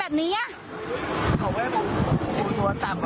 ไม่ให้ครับ